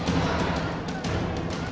dan juga tidak mengizinkan pendidikan